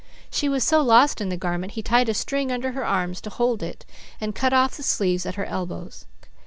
She was so lost in the garment he tied a string under her arms to hold it, and cut off the sleeves at her elbows.